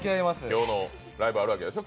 今日のライブあるわけでしょ？